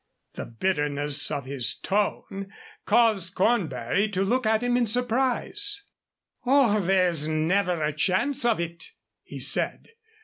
The bitterness of his tone caused Cornbury to look at him in surprise. "Oh, there's never a chance of it," he said.